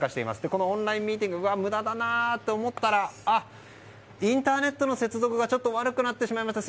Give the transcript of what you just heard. このオンラインミーティングが無駄だなと思ったらインターネットの接続がちょっと悪くなってしまいました。